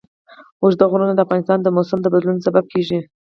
اوږده غرونه د افغانستان د موسم د بدلون سبب کېږي.